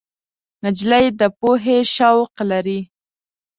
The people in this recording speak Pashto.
نجلۍ د پوهې شوق لري.